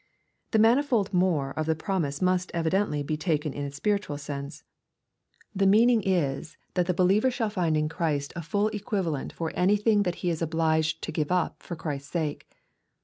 The " manifold more" of the promise must evidently be taken in a spiritual sense. The meaning is, that the believer shall find in Christ a full equivalent for anythfng 278 EXPOSITORY THOUGHTS that he is obliged to give up for Christ's sake.